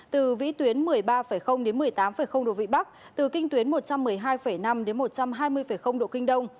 từ vĩ tuyến một mươi ba đến một mươi tám độ vĩ bắc từ kinh tuyến một trăm một mươi hai năm đến một trăm hai mươi độ kinh đông